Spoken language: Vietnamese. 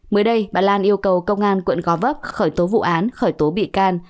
mới đây bà lan yêu cầu công an quận gò vấp khởi tố vụ án khởi tố bị can